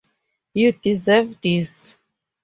You deserve this.